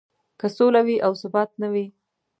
که سوله وي او ثبات نه وي.